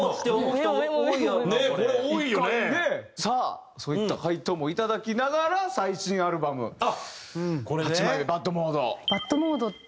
さあそういった回答もいただきながら最新アルバム８枚目『ＢＡＤモード』。